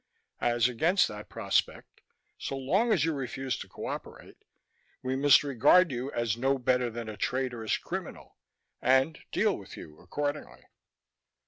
As against that prospect, so long as you refuse to cooperate, we must regard you as no better than a traitorous criminal and deal with you accordingly."